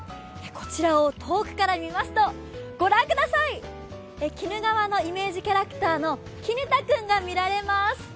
こちらを遠くから見ますと、御覧ください、鬼怒川のイメージキャラクターの鬼怒太君が見られます。